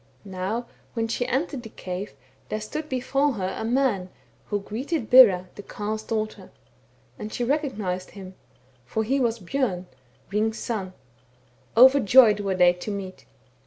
Now when she entered the cave there stood before her a man, who greeted Bera, the Carle's daughter ; and she recog nized him, for he was Bjom, Hring's son. Over joyed were they to meet.